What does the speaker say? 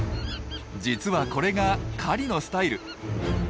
実はこれが狩りのスタイル。